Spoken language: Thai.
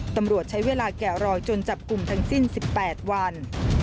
ตำรวจใช้เวลาแกะรอยจนจับกลุ่มทั้งสิ้น๑๘วัน